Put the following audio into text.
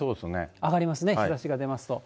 上がりますね、日ざしが出ますと。